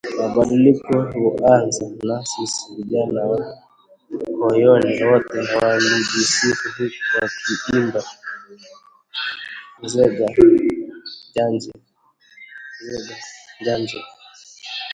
Mabadiliko huanza na sisi, vijana wa konyole wote walijisifu huku wakiimba, Nzenga, Njanje, Nzenga, Njanje